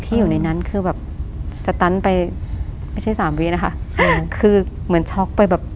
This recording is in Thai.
อยู่ในนั้นคือแบบสตันไปไม่ใช่สามวีนะคะคือเหมือนช็อกไปแบบ